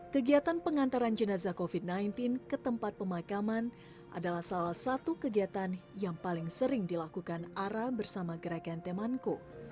kegiatan pengantaran jenazah covid sembilan belas ke tempat pemakaman adalah salah satu kegiatan yang paling sering dilakukan ara bersama gerakan temanku